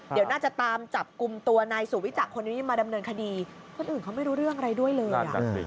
เดี๋ยวน่าจะตามจับกลุ่มตัวนายสุวิจักรคนนี้มาดำเนินคดีคนอื่นเขาไม่รู้เรื่องอะไรด้วยเลยอ่ะ